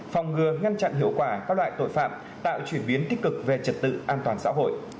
phòng ngừa ngăn chặn hiệu quả các loại tội phạm tạo chuyển biến tích cực về trật tự an toàn xã hội